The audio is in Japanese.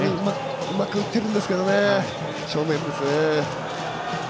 うまく打ってるんですけど正面ですね。